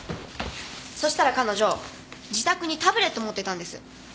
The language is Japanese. そしたら彼女自宅にタブレット持ってたんです。